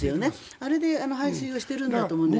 あれで排水しているんだと思うんです。